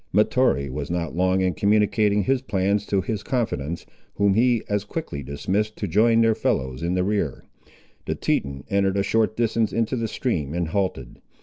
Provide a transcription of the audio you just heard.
Mahtoree was not long in communicating his plans to his confidants, whom he as quickly dismissed to join their fellows in the rear. The Teton entered a short distance into the stream and halted.